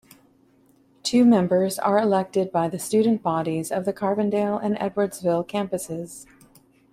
Two members are elected by the student bodies of the Carbondale and Edwardsville campuses.